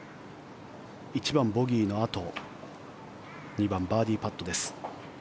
１番、ボギーのあと２番、バーディーパットです。